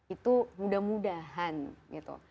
itu mudah mudahan gitu